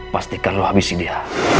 pastikan lo habisi dia